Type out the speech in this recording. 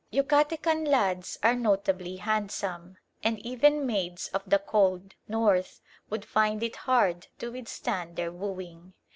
Yucatecan lads are notably handsome, and even maids of the cold North would find it hard to withstand their wooing.